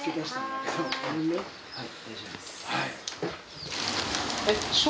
はい。